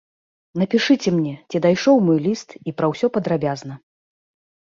Напішыце мне, ці дайшоў мой ліст, і пра ўсё падрабязна.